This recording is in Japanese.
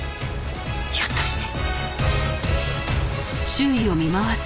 ひょっとして。